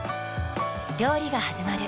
料理がはじまる。